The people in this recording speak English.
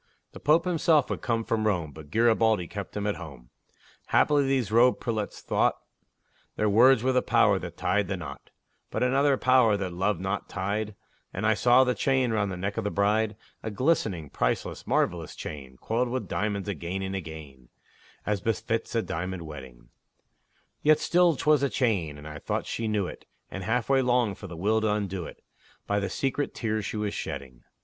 The Pope himself would have come from Rome, But Garibaldi kept him at home. Haply these robed prelates thought Their words were the power that tied the knot; But another power that love knot tied, And I saw the chain round the neck of the bride A glistening, priceless, marvelous chain, Coiled with diamonds again and again, As befits a diamond wedding; Yet still 'twas a chain, and I thought she knew it, And halfway longed for the will to undo it, By the secret tears she was shedding.